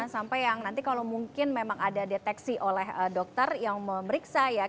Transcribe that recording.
sampai yang nanti kalau mungkin memang ada deteksi oleh dokter yang memeriksa ya